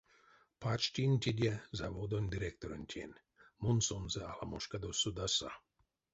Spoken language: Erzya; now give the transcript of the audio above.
Пачтинь теде заводонь директоронтень, мон сонзэ аламошкадо содаса.